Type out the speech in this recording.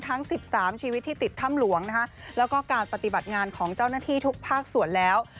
ทั้ง๑๓ชีวิตที่ติดถ้ำหลวงนะคะแล้วก็การปฏิบัติงานของเจ้าหน้าที่ทุกภาคส่วนแล้ว